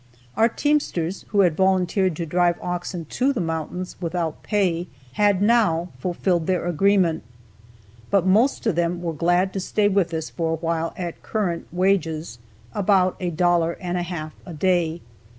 Our teamsters, who had volunteered to drive oxen to the mountains without pay, had now fulfilled their agreement, but most of them were glad to stay with us for awhile at current wages about a dollar and a half a day.